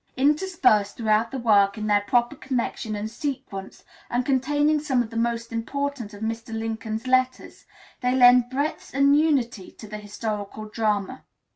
Interspersed throughout the work in their proper connection and sequence, and containing some of the most important of Mr. Lincoln's letters, they lend breadth and unity to the historical drama.